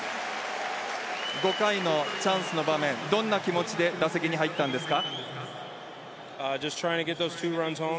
５回のチャンスの場面、どんな気持ちで打席に入ったんですか？